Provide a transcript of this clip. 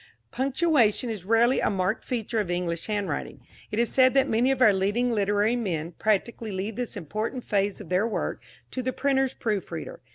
Punctuation is rarely a marked feature of English handwriting. It is said that many of our leading literary men practically leave this important phase of their work to the printer's proof reader.